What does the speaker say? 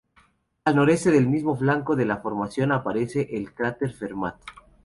Al noroeste en el mismo flanco de la formación aparece el cráter Fermat.